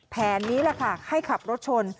แผนนี้แหละค่ะให้ขับรถชน